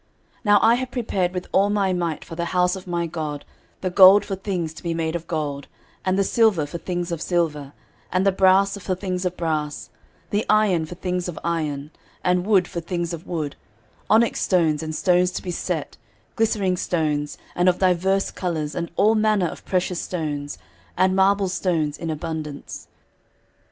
13:029:002 Now I have prepared with all my might for the house of my God the gold for things to be made of gold, and the silver for things of silver, and the brass for things of brass, the iron for things of iron, and wood for things of wood; onyx stones, and stones to be set, glistering stones, and of divers colours, and all manner of precious stones, and marble stones in abundance.